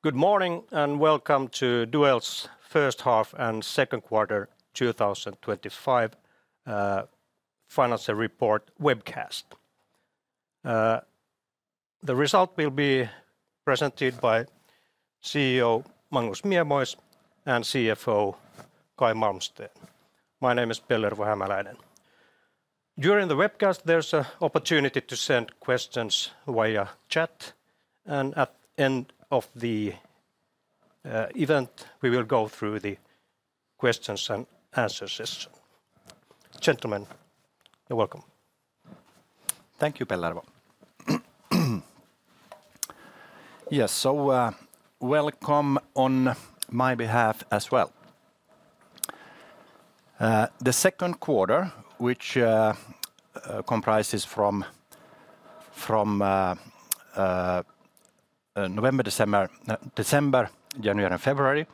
Good morning and welcome to Duell's first half and second quarter 2025 finance report webcast. The result will be presented by CEO Magnus Miemois and CFO Caj Malmsten. My name is Pellervo Hämäläinen. During the webcast, there's an opportunity to send questions via chat, and at the end of the event, we will go through the questions and answer session. Gentlemen, you're welcome. Thank you, Pellervo. Yes, so welcome on my behalf as well. The second quarter, which comprises from November, December, January, and February,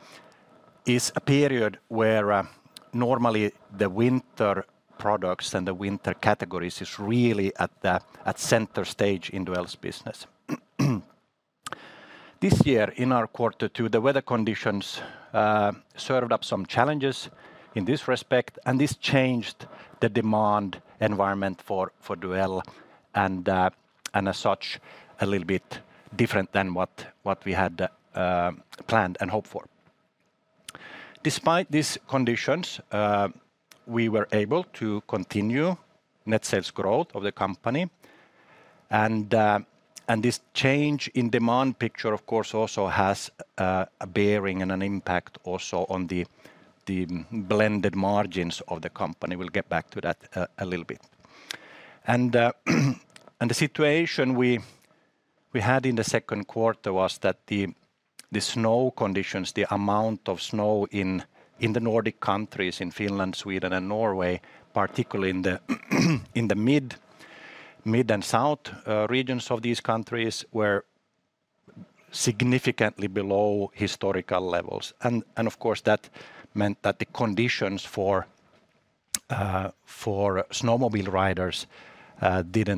is a period where normally the winter products and the winter categories are really at center stage in Duell's business. This year, in our quarter two, the weather conditions served up some challenges in this respect, and this changed the demand environment for Duell, and as such, a little bit different than what we had planned and hoped for. Despite these conditions, we were able to continue net sales growth of the company, and this change in demand picture, of course, also has a bearing and an impact also on the blended margins of the company. We'll get back to that a little bit. The situation we had in the second quarter was that the snow conditions, the amount of snow in the Nordic countries, in Finland, Sweden, and Norway, particularly in the mid and south regions of these countries, were significantly below historical levels. Of course, that meant that the conditions for snowmobile riders did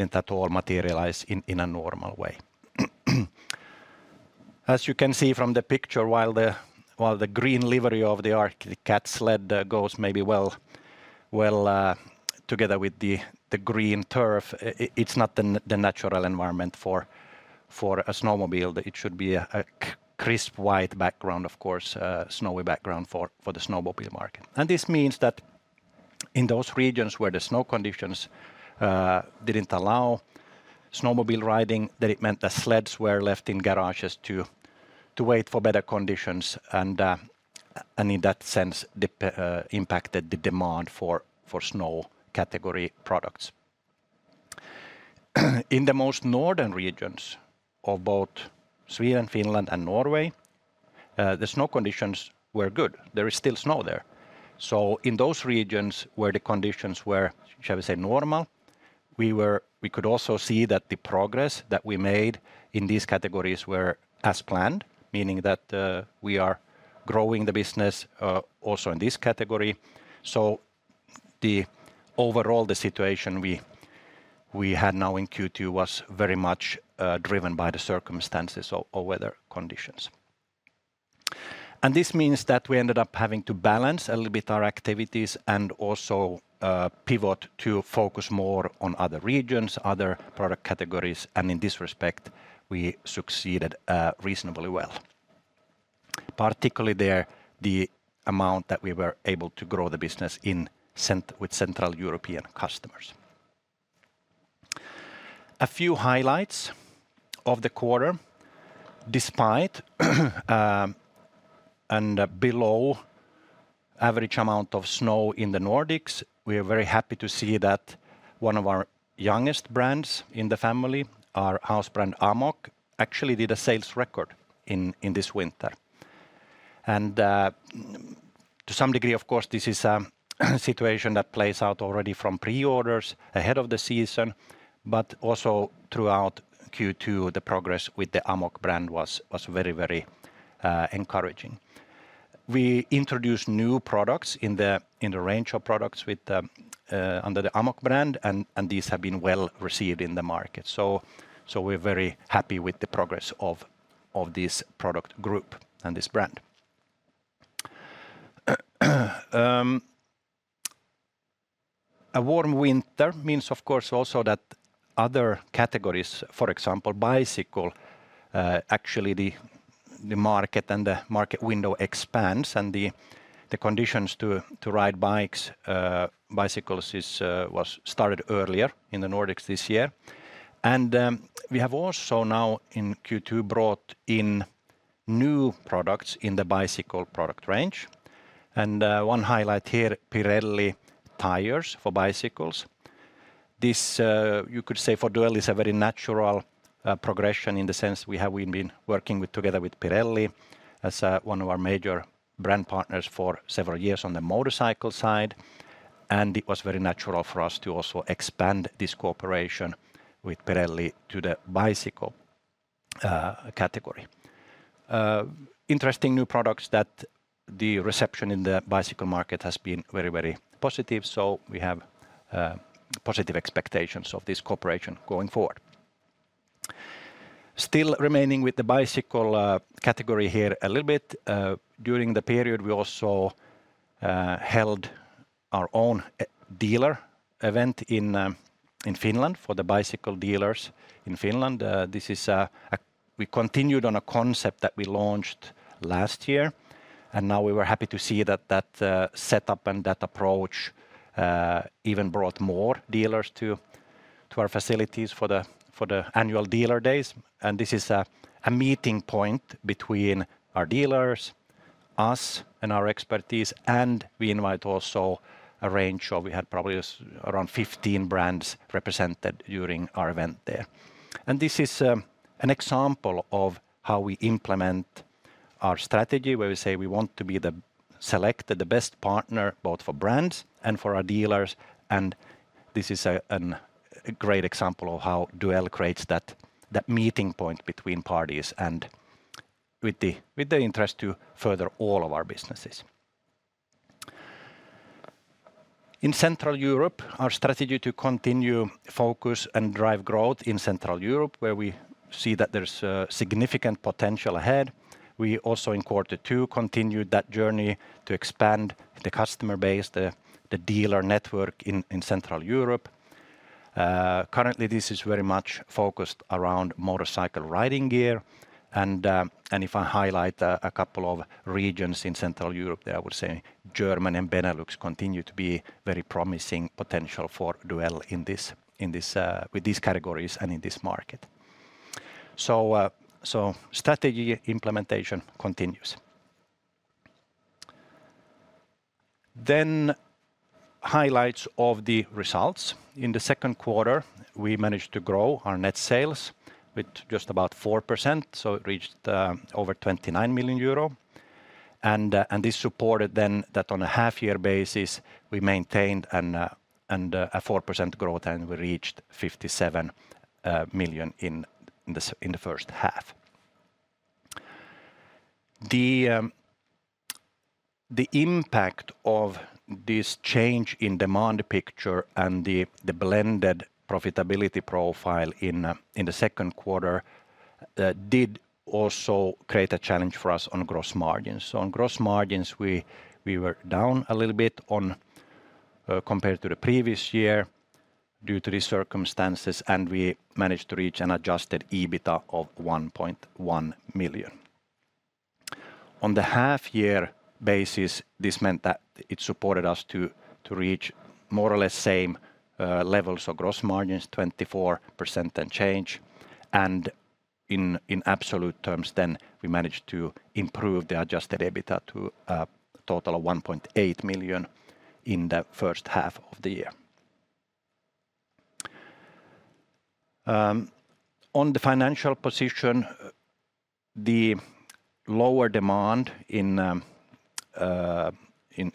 not at all materialize in a normal way. As you can see from the picture, while the green livery of the Arctic Cat sled goes maybe well together with the green turf, it is not the natural environment for a snowmobile. It should be a crisp white background, of course, a snowy background for the snowmobile market. This means that in those regions where the snow conditions did not allow snowmobile riding, it meant that sleds were left in garages to wait for better conditions, and in that sense, impacted the demand for snow category products. In the most northern regions of both Sweden, Finland, and Norway, the snow conditions were good. There is still snow there. In those regions where the conditions were, shall we say, normal, we could also see that the progress that we made in these categories was as planned, meaning that we are growing the business also in this category. Overall, the situation we had now in Q2 was very much driven by the circumstances of weather conditions. This means that we ended up having to balance a little bit our activities and also pivot to focus more on other regions, other product categories, and in this respect, we succeeded reasonably well. Particularly there, the amount that we were able to grow the business with Central European customers. A few highlights of the quarter. Despite a below average amount of snow in the Nordics, we are very happy to see that one of our youngest brands in the family, our house brand Amok, actually did a sales record in this winter. To some degree, of course, this is a situation that plays out already from pre-orders ahead of the season, but also throughout Q2, the progress with the Amok brand was very, very encouraging. We introduced new products in the range of products under the Amok brand, and these have been well received in the market. We are very happy with the progress of this product group and this brand. A warm winter means, of course, also that other categories, for example, bicycle, actually the market and the market window expands, and the conditions to ride bikes, bicycles, was started earlier in the Nordics this year. We have also now in Q2 brought in new products in the bicycle product range. One highlight here, Pirelli tires for bicycles. This, you could say for Duell, is a very natural progression in the sense we have been working together with Pirelli as one of our major brand partners for several years on the motorcycle side. It was very natural for us to also expand this cooperation with Pirelli to the bicycle category. Interesting new products that the reception in the bicycle market has been very, very positive, so we have positive expectations of this cooperation going forward. Still remaining with the bicycle category here a little bit, during the period, we also held our own dealer event in Finland for the bicycle dealers in Finland. This is a we continued on a concept that we launched last year, and now we were happy to see that that setup and that approach even brought more dealers to our facilities for the annual dealer days. This is a meeting point between our dealers, us, and our expertise, and we invite also a range of, we had probably around 15 brands represented during our event there. This is an example of how we implement our strategy, where we say we want to be the selected, the best partner both for brands and for our dealers. This is a great example of how Duell creates that meeting point between parties and with the interest to further all of our businesses. In Central Europe, our strategy to continue focus and drive growth in Central Europe, where we see that there's significant potential ahead, we also in quarter two continued that journey to expand the customer base, the dealer network in Central Europe. Currently, this is very much focused around motorcycle riding gear. If I highlight a couple of regions in Central Europe, there I would say Germany and Benelux continue to be very promising potential for Duell with these categories and in this market. Strategy implementation continues. Highlights of the results. In the second quarter, we managed to grow our net sales with just about 4%, so it reached over 29 million euro. This supported that on a half-year basis, we maintained a 4% growth and we reached 57 million in the first half. The impact of this change in demand picture and the blended profitability profile in the second quarter did also create a challenge for us on gross margins. On gross margins, we were down a little bit compared to the previous year due to these circumstances, and we managed to reach an adjusted EBITDA of 1.1 million. On the half-year basis, this meant that it supported us to reach more or less same levels of gross margins, 24% and change. In absolute terms then, we managed to improve the adjusted EBITDA to a total of 1.8 million in the first half of the year. On the financial position, the lower demand in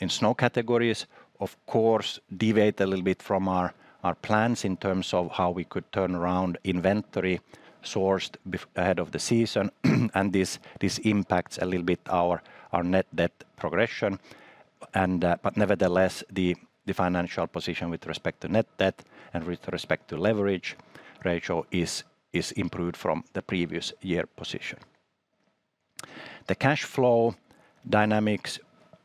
snow categories, of course, deviated a little bit from our plans in terms of how we could turn around inventory sourced ahead of the season, and this impacts a little bit our net debt progression. Nevertheless, the financial position with respect to net debt and with respect to leverage ratio is improved from the previous year position. The cash flow dynamics,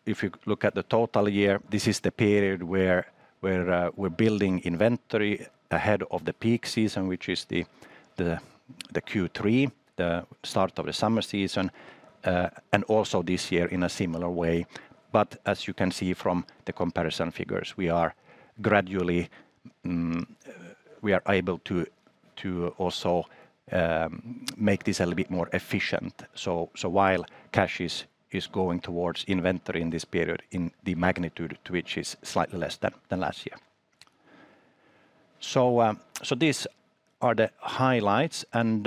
if you look at the total year, this is the period where we're building inventory ahead of the peak season, which is the Q3, the start of the summer season, and also this year in a similar way. As you can see from the comparison figures, we are gradually able to also make this a little bit more efficient. While cash is going towards inventory in this period in the magnitude to which is slightly less than last year. These are the highlights, and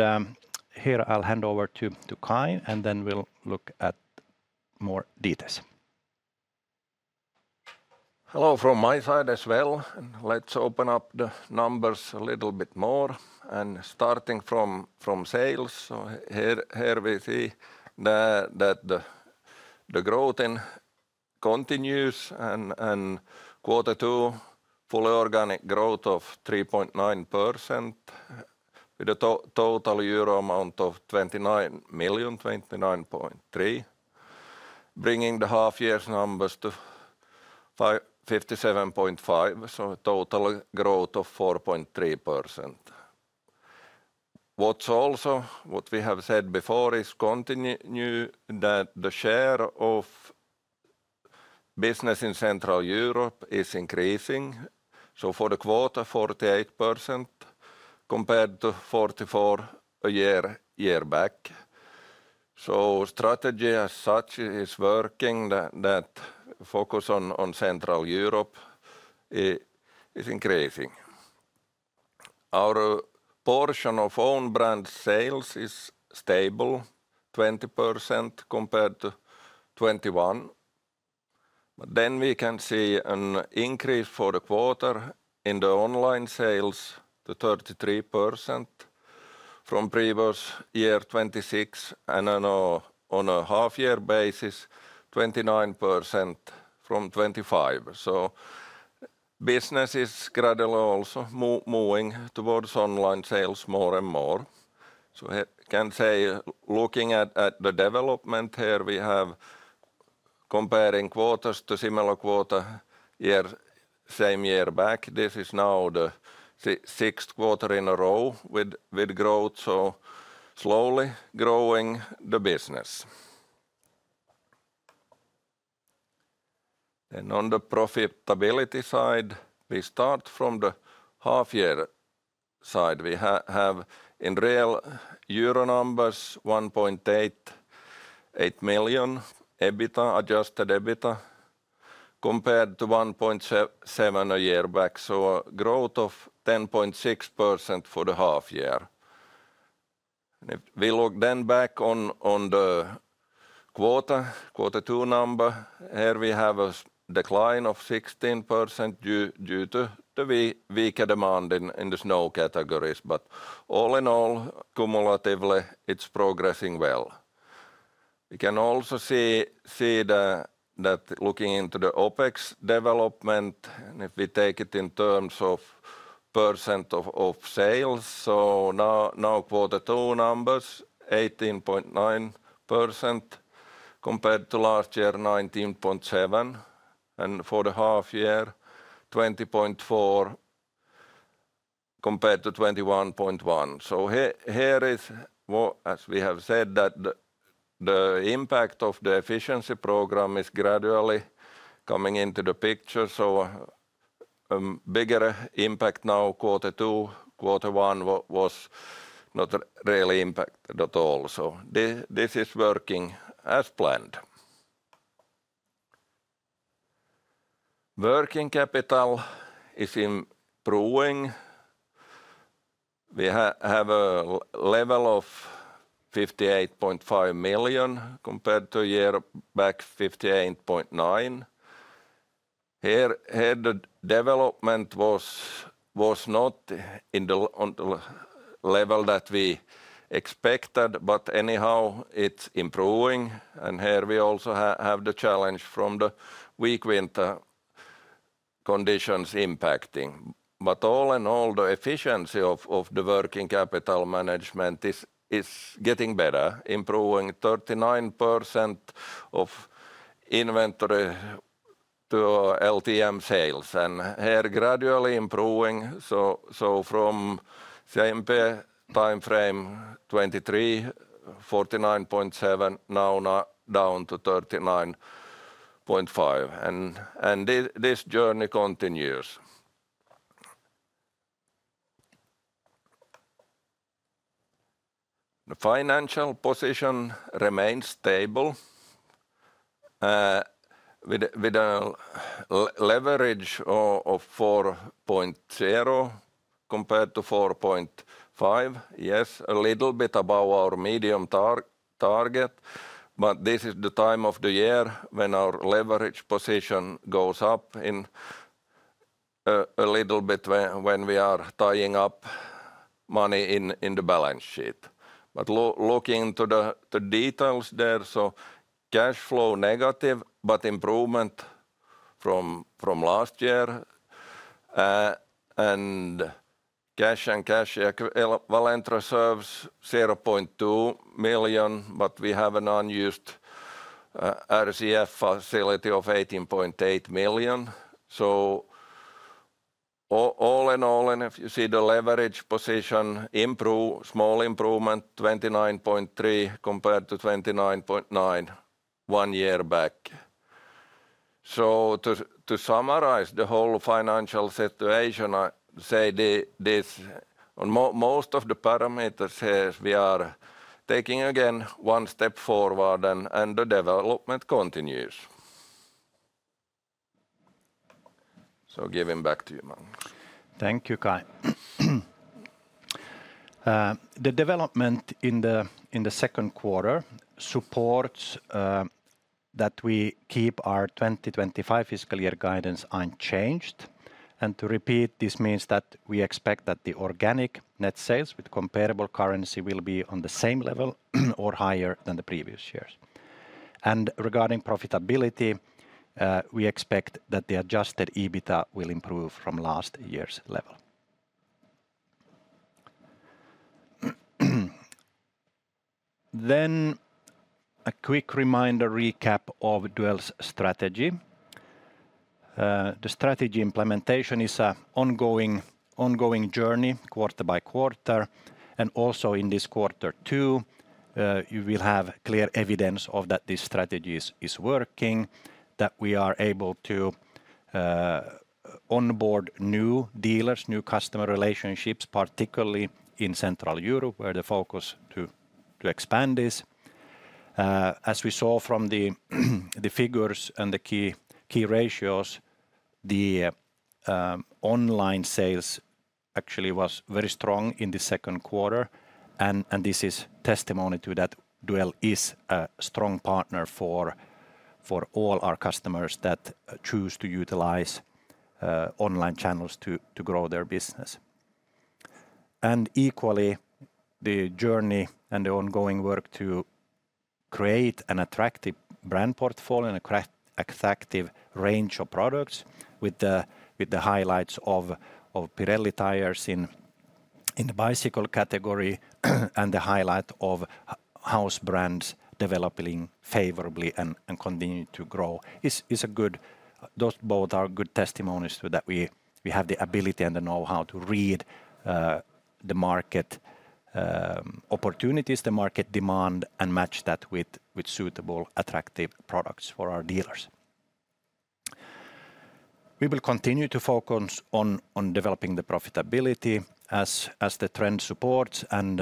here I'll hand over to Caj, and then we'll look at more details. Hello from my side as well, and let's open up the numbers a little bit more. Starting from sales, here we see that the growth continues, and quarter two, full organic growth of 3.9% with a total 29 million, 29.3 million, bringing the half-year numbers to 57.5 million, so a total growth of 4.3%. What's also what we have said before is continuing that the share of business in Central Europe is increasing, for the quarter, 48% compared to 44% a year back. Strategy as such is working, that focus on Central Europe is increasing. Our portion of own brand sales is stable, 20% compared to 21%. We can see an increase for the quarter in the online sales to 33% from previous year 26%, and on a half-year basis, 29% from 25%. Business is gradually also moving towards online sales more and more. I can say looking at the development here, we have comparing quarters to similar quarter same year back. This is now the sixth quarter in a row with growth, so slowly growing the business. On the profitability side, we start from the half-year side. We have in real euro numbers 1.8 million, adjusted EBITDA compared to 1.7 million a year back, so a growth of 10.6% for the half-year. We logged then back on the quarter two number. Here we have a decline of 16% due to the weaker demand in the snow categories, but all in all, cumulatively, it's progressing well. We can also see that looking into the OpEx development, if we take it in terms of percent of sales, now quarter two numbers, 18.9% compared to last year, 19.7%, and for the half-year, 20.4% compared to 21.1%. Here is, as we have said, that the impact of the efficiency program is gradually coming into the picture, a bigger impact now quarter two, quarter one was not really impacted at all. This is working as planned. Working capital is improving. We have a level of 58.5 million compared to a year back, 58.9 million. Here ahead development was not in the level that we expected, but anyhow, it's improving. Here we also have the challenge from the weak winter conditions impacting. All in all, the efficiency of the working capital management is getting better, improving 39% of inventory to LTM sales. Here gradually improving, so from same timeframe 2023, 49.7%, now down to 39.5%. This journey continues. The financial position remains stable with a leverage of 4.0 compared to 4.5. Yes, a little bit above our medium target, but this is the time of the year when our leverage position goes up a little bit when we are tying up money in the balance sheet. Looking into the details there, cash flow negative, but improvement from last year. Cash and cash equivalent reserves 0.2 million, but we have an unused RCF facility of 18.8 million. All in all, if you see the leverage position improve, small improvement, 29.3 compared to 29.9 one year back. To summarize the whole financial situation, I say this on most of the parameters here, we are taking again one step forward and the development continues. Giving back to you, Magnus. Thank you, Caj. The development in the second quarter supports that we keep our 2025 fiscal year guidance unchanged. To repeat, this means that we expect that the organic net sales with comparable currency will be on the same level or higher than the previous years. Regarding profitability, we expect that the adjusted EBITDA will improve from last year's level. A quick reminder recap of Duell's strategy. The strategy implementation is an ongoing journey quarter by quarter, and also in this quarter two, you will have clear evidence that this strategy is working, that we are able to onboard new dealers, new customer relationships, particularly in Central Europe, where the focus to expand is. As we saw from the figures and the key ratios, the online sales actually was very strong in the second quarter, and this is testimony to that Duell is a strong partner for all our customers that choose to utilize online channels to grow their business. Equally, the journey and the ongoing work to create an attractive brand portfolio and an attractive range of products with the highlights of Pirelli tires in the bicycle category and the highlight of house brands developing favorably and continuing to grow is a good, those both are good testimonies to that we have the ability and the know-how to read the market opportunities, the market demand, and match that with suitable attractive products for our dealers. We will continue to focus on developing the profitability as the trend supports, and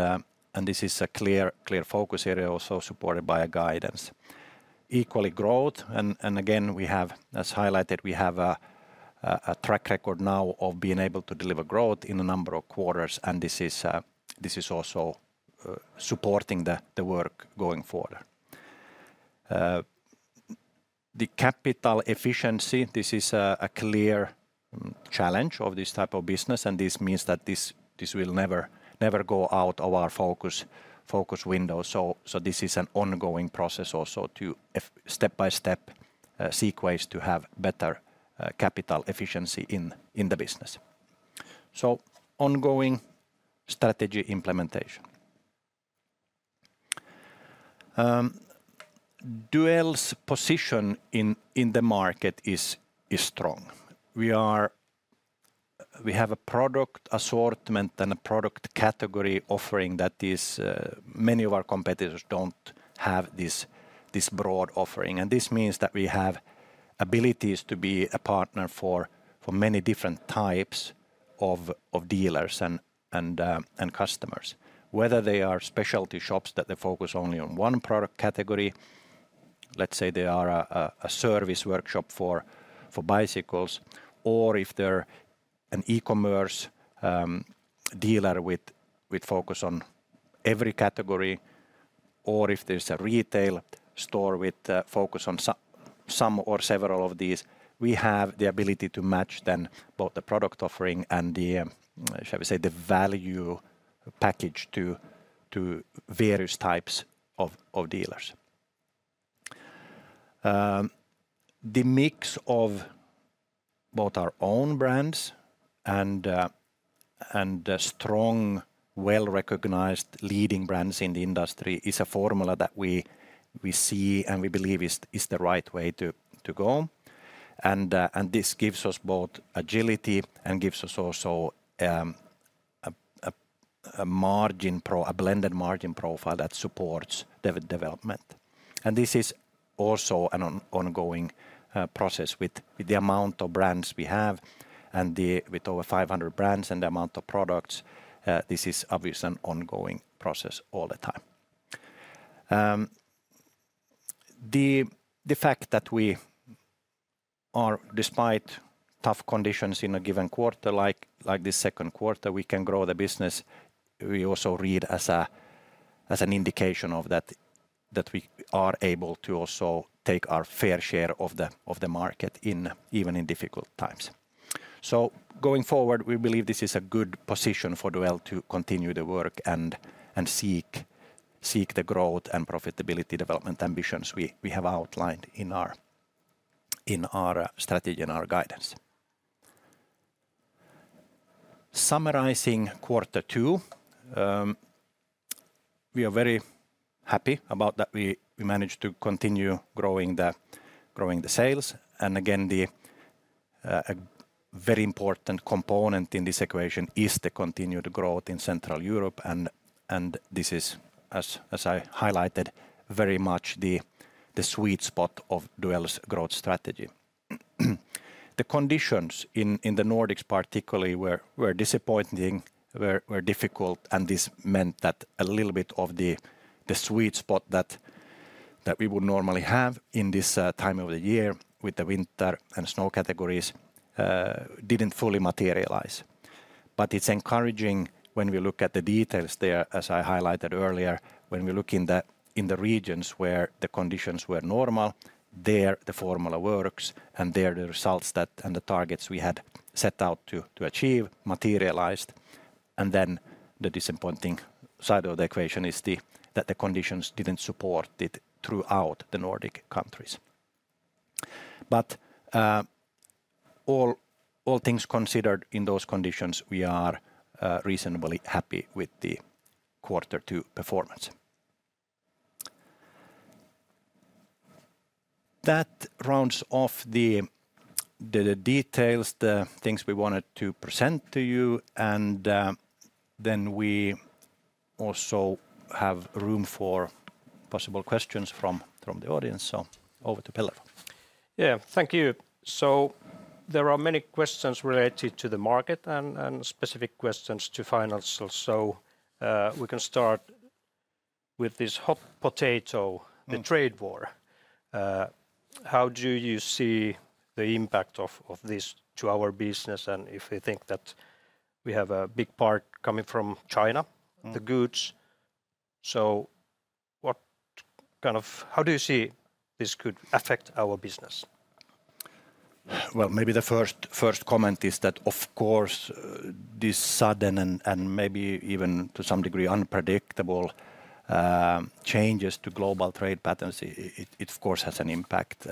this is a clear focus area also supported by a guidance. Equally, growth, and again, we have, as highlighted, we have a track record now of being able to deliver growth in a number of quarters, and this is also supporting the work going forward. The capital efficiency, this is a clear challenge of this type of business, and this means that this will never go out of our focus window. This is an ongoing process also to step by step seek ways to have better capital efficiency in the business. Ongoing strategy implementation. Duell's position in the market is strong. We have a product assortment and a product category offering that many of our competitors do not have this broad offering, and this means that we have abilities to be a partner for many different types of dealers and customers. Whether they are specialty shops that they focus only on one product category, let's say they are a service workshop for bicycles, or if they're an e-commerce dealer with focus on every category, or if there's a retail store with focus on some or several of these, we have the ability to match then both the product offering and the, shall we say, the value package to various types of dealers. The mix of both our own brands and strong, well-recognized leading brands in the industry is a formula that we see and we believe is the right way to go. This gives us both agility and gives us also a blended margin profile that supports development. This is also an ongoing process with the amount of brands we have and with over 500 brands and the amount of products, this is obviously an ongoing process all the time. The fact that we are, despite tough conditions in a given quarter like this second quarter, we can grow the business, we also read as an indication of that we are able to also take our fair share of the market even in difficult times. Going forward, we believe this is a good position for Duell to continue the work and seek the growth and profitability development ambitions we have outlined in our strategy and our guidance. Summarizing quarter two, we are very happy about that we managed to continue growing the sales. The very important component in this equation is the continued growth in Central Europe, and this is, as I highlighted, very much the sweet spot of Duell's growth strategy. The conditions in the Nordics, particularly, were disappointing, were difficult, and this meant that a little bit of the sweet spot that we would normally have in this time of the year with the winter and snow categories did not fully materialize. It is encouraging when we look at the details there, as I highlighted earlier, when we look in the regions where the conditions were normal, there the formula works, and there the results and the targets we had set out to achieve materialized. The disappointing side of the equation is that the conditions did not support it throughout the Nordic countries. All things considered in those conditions, we are reasonably happy with the quarter two performance. That rounds off the details, the things we wanted to present to you, and then we also have room for possible questions from the audience, so over to Pellervo. Yeah, thank you. There are many questions related to the market and specific questions to finance. We can start with this hot potato, the trade war. How do you see the impact of this to our business, and if we think that we have a big part coming from China, the goods? What kind of, how do you see this could affect our business? Maybe the first comment is that, of course, these sudden and maybe even to some degree unpredictable changes to global trade patterns, it of course has an impact.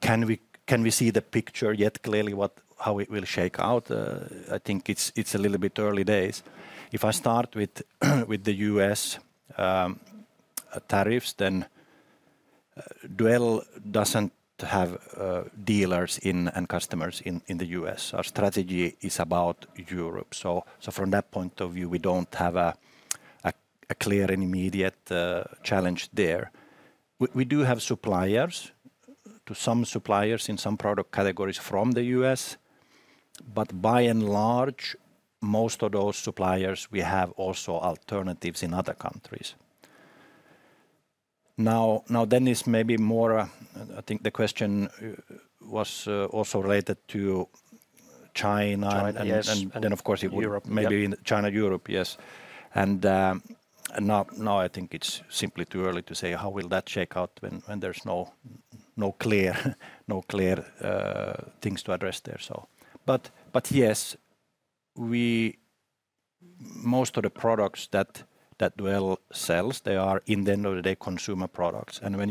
Can we see the picture yet clearly how it will shake out? I think it's a little bit early days. If I start with the U.S. tariffs, then Duell doesn't have dealers and customers in the U.S. Our strategy is about Europe. From that point of view, we don't have a clear and immediate challenge there. We do have suppliers, to some suppliers in some product categories from the U.S., but by and large, most of those suppliers, we have also alternatives in other countries. Now, it's maybe more, I think the question was also related to China. China, yes. Of course, it would maybe be China-Europe, yes. I think it's simply too early to say how that will shake out when there's no clear things to address there. Yes, most of the products that Duell sells, they are, at the end of the day, consumer products. When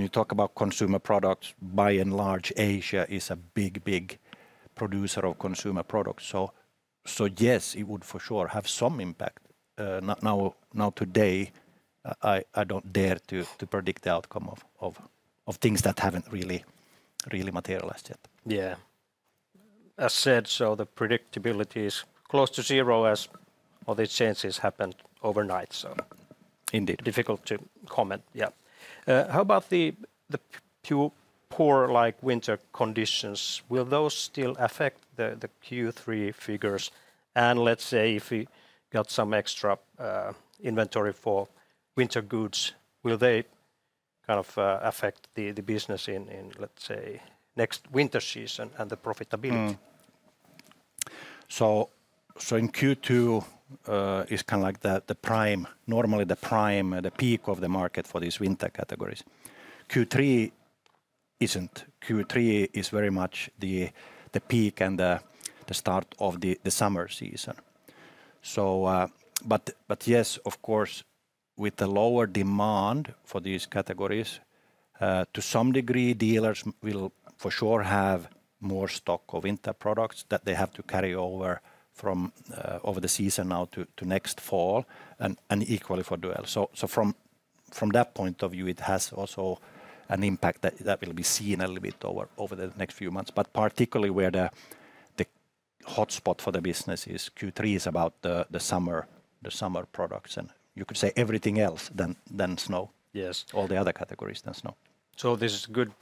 you talk about consumer products, by and large, Asia is a big, big producer of consumer products. Yes, it would for sure have some impact. Today, I don't dare to predict the outcome of things that haven't really materialized yet. Yeah. As said, the predictability is close to zero as all these changes happened overnight. Indeed. Difficult to comment, yeah. How about the poor winter conditions? Will those still affect the Q3 figures? If we got some extra inventory for winter goods, will they kind of affect the business in, let's say, next winter season and the profitability? In Q2 is kind of like the prime, normally the prime, the peak of the market for these winter categories. Q3 is not. Q3 is very much the peak and the start of the summer season. Yes, of course, with the lower demand for these categories, to some degree dealers will for sure have more stock of winter products that they have to carry over from over the season now to next fall and equally for Duell. From that point of view, it has also an impact that will be seen a little bit over the next few months, but particularly where the hotspot for the business is Q3 is about the summer products and you could say everything else than snow, all the other categories than snow. This is a good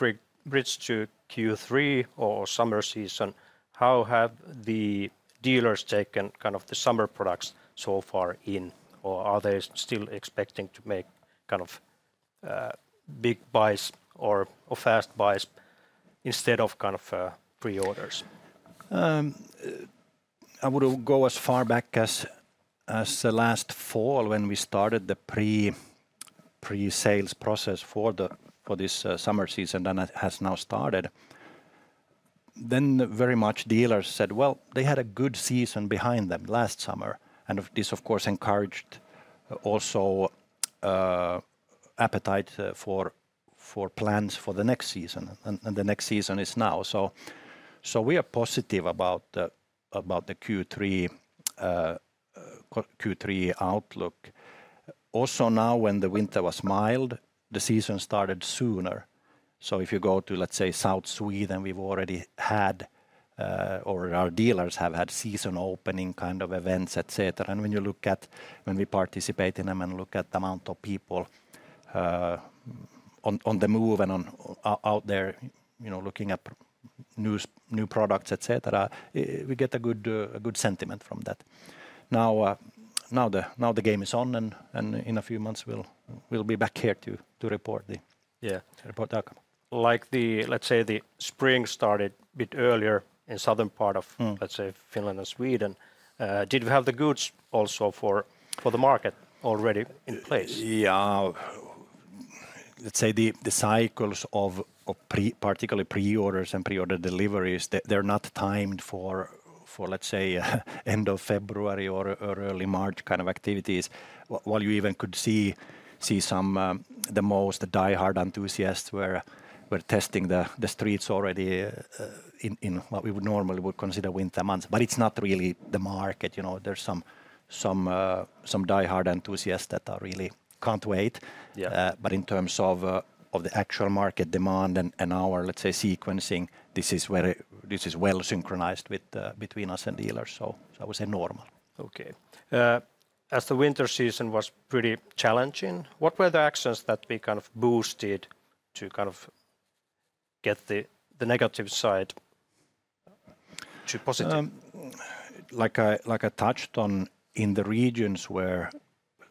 bridge to Q3 or summer season. How have the dealers taken kind of the summer products so far in, or are they still expecting to make kind of big buys or fast buys instead of kind of pre-orders? I would go as far back as last fall when we started the pre-sales process for this summer season that has now started. Then very much dealers said, well, they had a good season behind them last summer, and this of course encouraged also appetite for plans for the next season, and the next season is now. We are positive about the Q3 outlook. Also now when the winter was mild, the season started sooner. If you go to, let's say, South Sweden, we've already had, or our dealers have had season opening kind of events, etc. When you look at, when we participate in them and look at the amount of people on the move and out there looking at new products, etc., we get a good sentiment from that. Now the game is on, and in a few months we'll be back here to report the outcome. Like, let's say, the spring started a bit earlier in southern part of, let's say, Finland and Sweden, did we have the goods also for the market already in place? Yeah, let's say the cycles of particularly pre-orders and pre-order deliveries, they're not timed for, let's say, end of February or early March kind of activities, while you even could see some, the most diehard enthusiasts were testing the streets already in what we would normally consider winter months. It's not really the market. There's some diehard enthusiasts that really can't wait. In terms of the actual market demand and our, let's say, sequencing, this is well synchronized between us and dealers, so I would say normal. Okay. As the winter season was pretty challenging, what were the actions that we kind of boosted to kind of get the negative side to positive? Like I touched on, in the regions where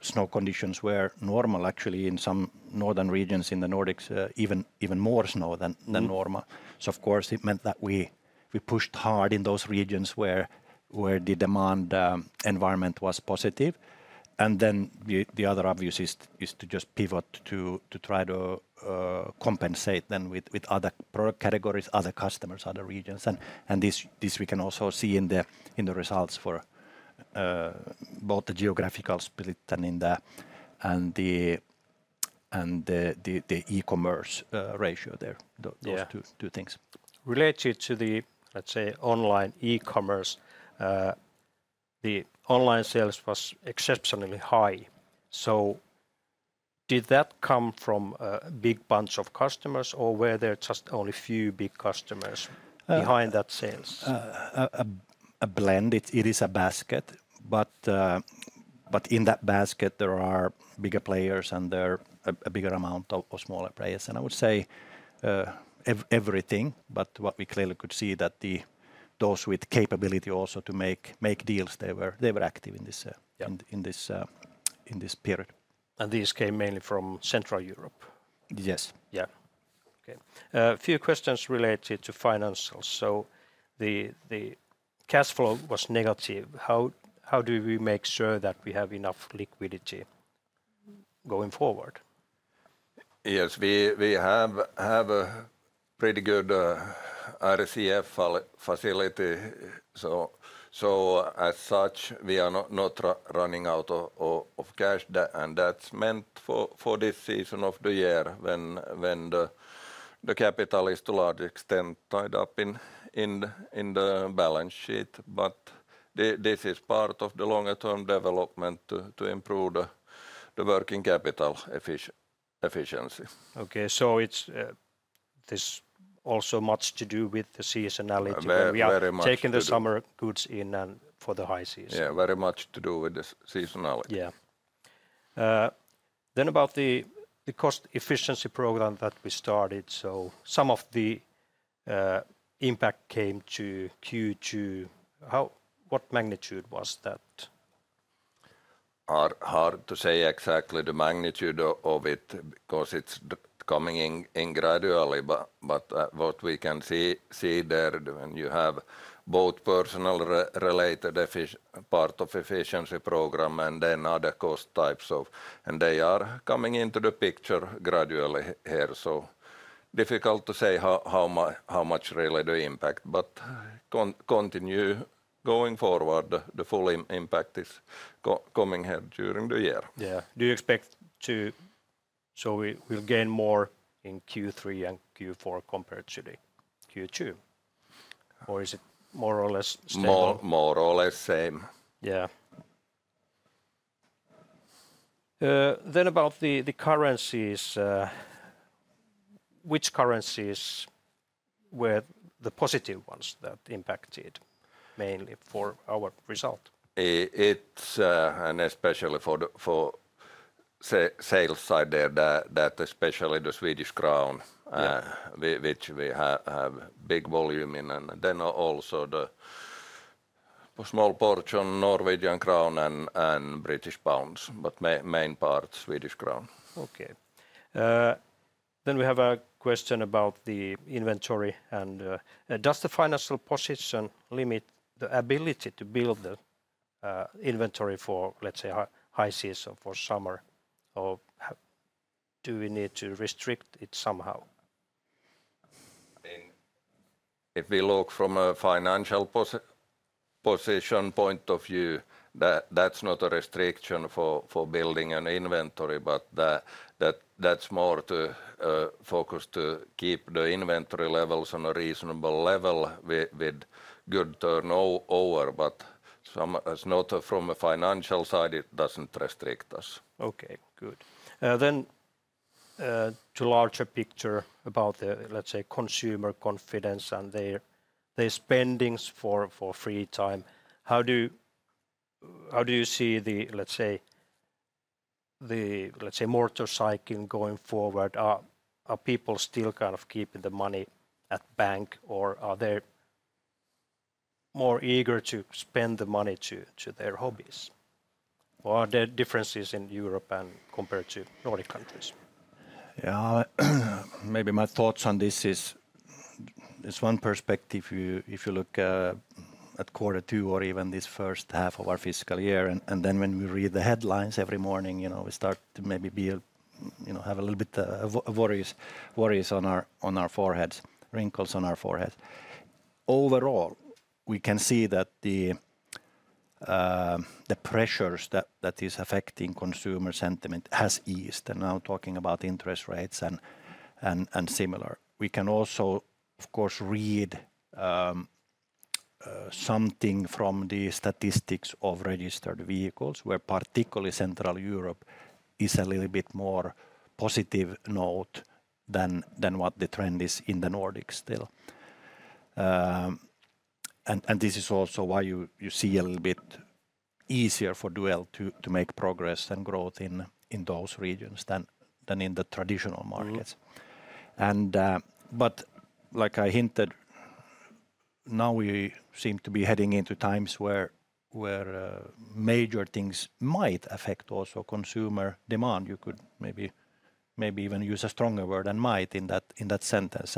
snow conditions were normal, actually in some northern regions in the Nordics, even more snow than normal. Of course it meant that we pushed hard in those regions where the demand environment was positive. The other obvious is to just pivot to try to compensate then with other product categories, other customers, other regions. This we can also see in the results for both the geographical split and the e-commerce ratio there, those two things. Related to the, let's say, online e-commerce, the online sales was exceptionally high. Did that come from a big bunch of customers or were there just only a few big customers behind that sales? A blend. It is a basket, but in that basket there are bigger players and there are a bigger amount of smaller players. I would say everything, but what we clearly could see that those with capability also to make deals, they were active in this period. These came mainly from Central Europe? Yes. Yeah. Okay. A few questions related to financials. The cash flow was negative. How do we make sure that we have enough liquidity going forward? Yes, we have a pretty good RCF facility, so as such we are not running out of cash, and that is meant for this season of the year when the capital is to a large extent tied up in the balance sheet. This is part of the longer-term development to improve the working capital efficiency. Okay, so this also much to do with the seasonality where we are taking the summer goods in for the high season. Yeah, very much to do with the seasonality. Yeah. About the cost efficiency program that we started, some of the impact came to Q2. What magnitude was that? Hard to say exactly the magnitude of it because it's coming in gradually, but what we can see there, you have both personal related part of efficiency program and then other cost types of, and they are coming into the picture gradually here. Difficult to say how much really the impact, but continue going forward, the full impact is coming here during the year. Yeah. Do you expect to, so we will gain more in Q3 and Q4 compared to Q2, or is it more or less stable? More or less same. Yeah. About the currencies, which currencies were the positive ones that impacted mainly for our result? It's especially for the sales side there, that especially the Swedish krona, which we have big volume in, and then also the small portion Norwegian krona and British pounds, but main part Swedish krona. Okay. We have a question about the inventory. Does the financial position limit the ability to build the inventory for, let's say, high season for summer, or do we need to restrict it somehow? If we look from a financial position point of view, that's not a restriction for building an inventory, but that's more to focus to keep the inventory levels on a reasonable level with good turnover. From a financial side, it doesn't restrict us. Okay, good. To a larger picture about the, let's say, consumer confidence and their spendings for free time, how do you see the, let's say, motorcycle going forward? Are people still kind of keeping the money at bank, or are they more eager to spend the money to their hobbies? What are the differences in Europe compared to Nordic countries? Yeah, maybe my thoughts on this is, there's one perspective if you look at quarter two or even this first half of our fiscal year, and then when we read the headlines every morning, we start to maybe have a little bit of worries on our foreheads, wrinkles on our foreheads. Overall, we can see that the pressures that is affecting consumer sentiment has eased, and now talking about interest rates and similar. We can also, of course, read something from the statistics of registered vehicles, where particularly Central Europe is a little bit more positive note than what the trend is in the Nordics still. This is also why you see a little bit easier for Duell to make progress and growth in those regions than in the traditional markets. Like I hinted, now we seem to be heading into times where major things might affect also consumer demand. You could maybe even use a stronger word than might in that sentence.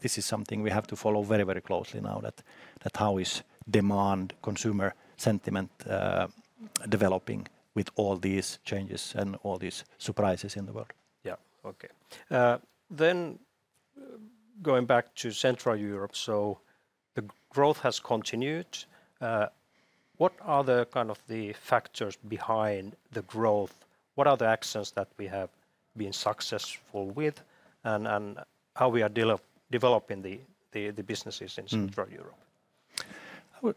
This is something we have to follow very, very closely now, that how is demand, consumer sentiment developing with all these changes and all these surprises in the world. Yeah, okay. Going back to Central Europe, the growth has continued. What are the kind of the factors behind the growth? What are the actions that we have been successful with, and how we are developing the businesses in Central Europe?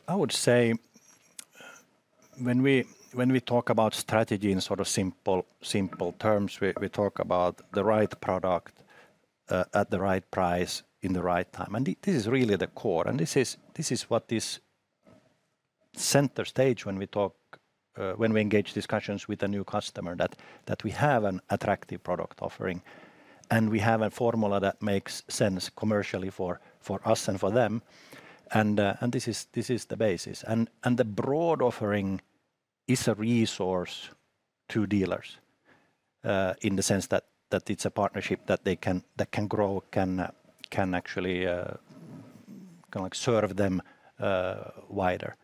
I would say when we talk about strategy in sort of simple terms, we talk about the right product at the right price in the right time. This is really the core, and this is what is center stage when we talk, when we engage discussions with a new customer, that we have an attractive product offering, and we have a formula that makes sense commercially for us and for them. This is the basis. The broad offering is a resource to dealers in the sense that it's a partnership that can grow, can actually serve them wider.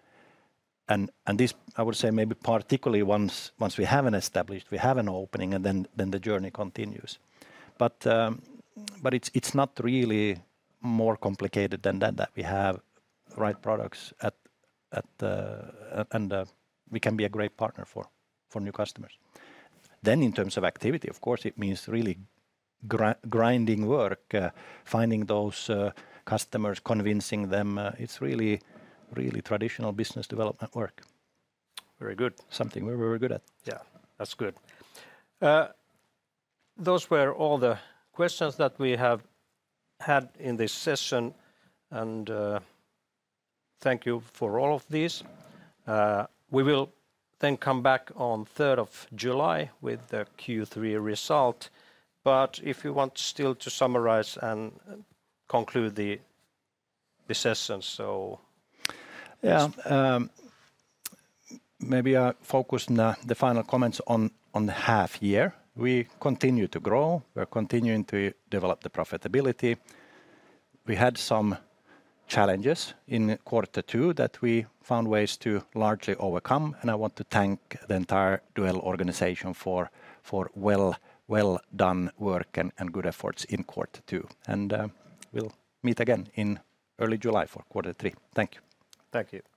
I would say maybe particularly once we have an established, we have an opening, and then the journey continues. It is not really more complicated than that, that we have right products, and we can be a great partner for new customers. In terms of activity, of course, it means really grinding work, finding those customers, convincing them. It's really traditional business development work. Very good. Something we're very good at. Yeah, that's good. Those were all the questions that we have had in this session, and thank you for all of these. We will then come back on 3rd of July with the Q3 result. If you want still to summarize and conclude the session, so. Yeah, maybe I'll focus on the final comments on the half year. We continue to grow, we're continuing to develop the profitability. We had some challenges in quarter two that we found ways to largely overcome, and I want to thank the entire Duell organization for well-done work and good efforts in quarter two. We'll meet again in early July for quarter three. Thank you. Thank you.